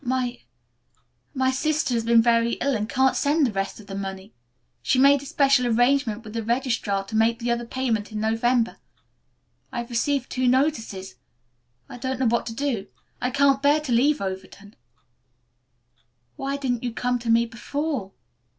My my sister has been very ill and can't send the rest of the money. She made a special arrangement with the registrar to make the other payment in November. I've received two notices. I don't know what to do. I can't bear to leave Overton." "Why didn't you come to me before?"